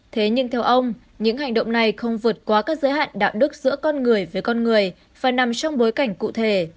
thế nhưng theo ông những hành động này không vượt qua các giới hạn đạo đức giữa con người với con người và nằm trong bối cảnh cụ thể